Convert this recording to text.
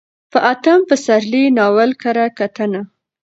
په اتم پسرلي ناول کره کتنه: